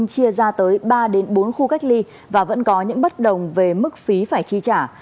chia ra tới ba bốn khu cách ly và vẫn có những bất đồng về mức phí phải chi trả